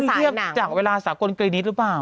หรือว่ามีเทียบจากเวลาสากลเกย์นิดหรือเปล่า